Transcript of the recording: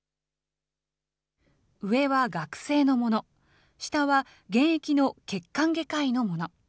上は学生のもの、下は現役の血管外科医のもの。